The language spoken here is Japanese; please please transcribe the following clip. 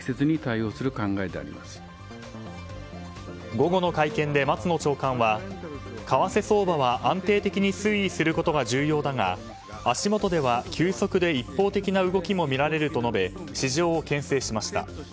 午後の会見で松野長官は為替相場は安定的に推移することが重要だが足元では急速で一方的な動きもみられると述べ市場を牽制しました。